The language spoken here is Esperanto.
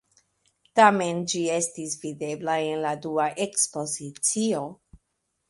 Tamen ĝi estis videbla en la dua ekspozicio.